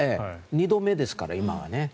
２度目ですから、今はね。